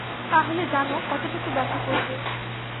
তাহলে জানো কতটুকু ব্যথা করবে।